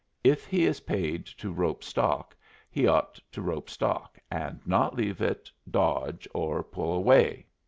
If he is paid to rope stock he ought to rope stock, and not leave it dodge or pull away."